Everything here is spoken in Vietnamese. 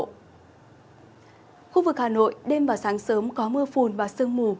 khu vực hà nội đêm và sáng sớm có mưa phùn và sương mù